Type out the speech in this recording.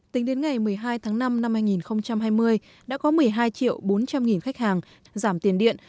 tính đến ngày một mươi hai tháng năm năm hai nghìn hai mươi đã có một mươi hai triệu bốn trăm linh khách hàng giảm tiền điện